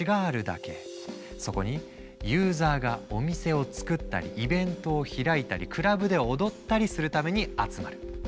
そこにユーザーがお店を作ったりイベントを開いたりクラブで踊ったりするために集まる。